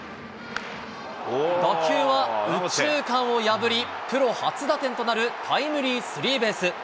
打球は右中間を破り、プロ初打点となるタイムリースリーベース。